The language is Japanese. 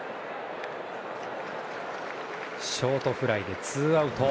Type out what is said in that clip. ショートフライでツーアウト。